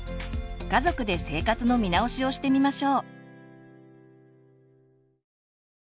家族で生活の見直しをしてみましょう。